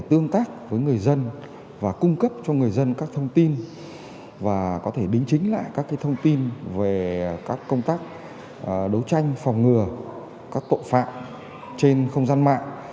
tương tác với người dân và cung cấp cho người dân các thông tin và có thể đính chính lại các thông tin về các công tác đấu tranh phòng ngừa các tội phạm trên không gian mạng